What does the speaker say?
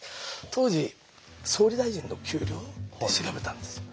当時総理大臣の給料って調べたんですよ。